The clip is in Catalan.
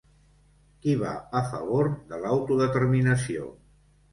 Qui va a favor de l’autodeterminació?